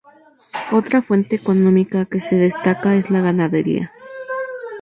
Otra fuente económica que se destaca es la ganadería.